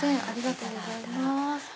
ありがとうございます。